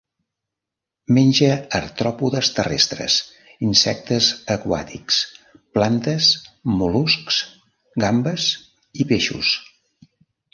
Menja artròpodes terrestres, insectes aquàtics, plantes, mol·luscs, gambes i peixos.